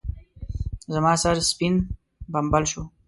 زما سر سپين بمبل شو.